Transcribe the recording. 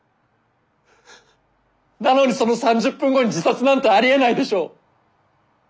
なのにその３０分後に自殺なんてありえないでしょう！